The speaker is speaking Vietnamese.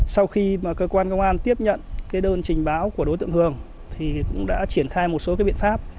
sau khi cơ quan công an tiếp nhận đơn trình báo của đối tượng hường thì cũng đã triển khai một số cái biện pháp